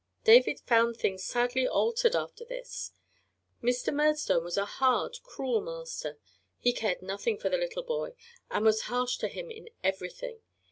David found things sadly altered after this. Mr. Murdstone was a hard, cruel master. He cared nothing for the little boy and was harsh to him in everything.